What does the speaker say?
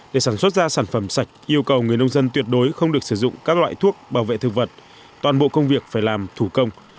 để sản xuất ra sản phẩm sạch yêu cầu người nông dân tuyệt đối không được sử dụng các loại thuốc bảo vệ thực vật toàn bộ công việc phải làm thủ công